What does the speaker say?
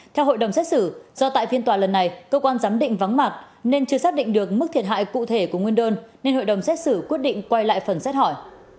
theo hội đồng xét xử do tại phiên tòa lần này cơ quan giám định vắng mặt nên chưa xác định được mức thiệt hại cụ thể của nguyên đơn nên hội đồng xét xử quyết định quay lại phần xét hỏi